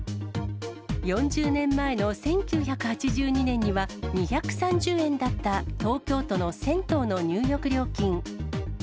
４０年前の１９８２年には２３０円だった東京都の銭湯の入浴料金。